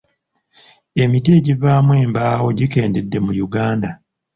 Emiti egivaamu embaawo gikendedde mu Uganda.